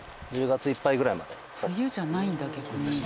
冬じゃないんだ逆に。